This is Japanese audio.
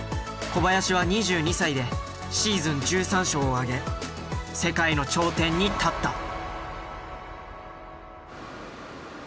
小林は２２歳でシーズン１３勝を挙げ世界の頂点に立った。